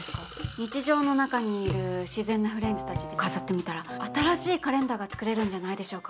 日常の中にいる自然なフレンズたちで飾ってみたら新しいカレンダーが作れるんじゃないでしょうか。